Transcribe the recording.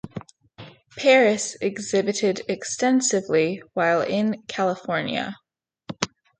Paris exhibited extensively while in California.